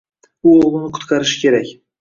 U o‘g‘lini qutqarishi kerak.